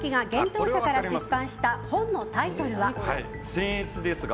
「せんえつですが。